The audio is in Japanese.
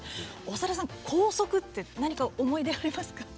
長田さん、校則って何か思い出ありますか？